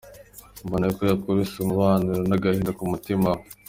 Mbona ko yabitse umubabaro n’agahinda ku mutima we.